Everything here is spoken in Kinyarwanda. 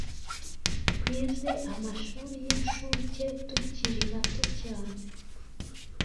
Twize amashuri y’inshuke tukiri bato cyane,